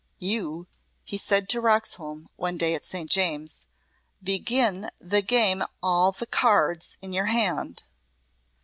"You," he said to Roxholm one day at St. James, "begin the game with all the cards in your hand."